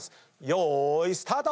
よーいスタート！